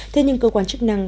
thế nhưng cơ quan chức năng